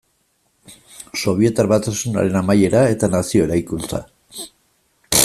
Sobietar Batasunaren amaiera eta nazio eraikuntza.